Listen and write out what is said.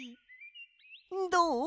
どう？